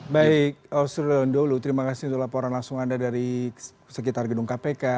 baik ausron dolu terima kasih untuk laporan langsung anda dari sekitar gedung kpk